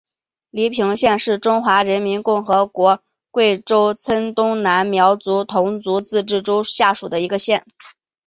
黎平县是中华人民共和国贵州省黔东南苗族侗族自治州下属的一个县。